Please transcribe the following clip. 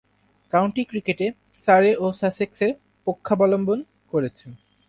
County ক্রিকেটে Surrey ও সাসেক্সের পক্ষাবলম্বন করেছেন।